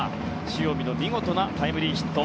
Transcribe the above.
塩見の見事なタイムリーヒット。